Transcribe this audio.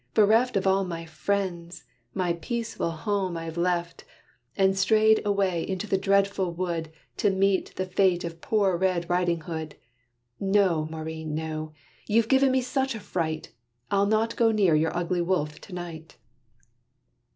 bereft Of all my friends, my peaceful home I've left, And strayed away into the dreadful wood To meet the fate of poor Red Riding Hood. No, Maurine, no! you've given me such a fright, I'll not go near your ugly wolf to night."